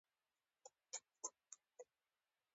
د باندې ووت، يوه جنګيالي ته يې وويل: هله!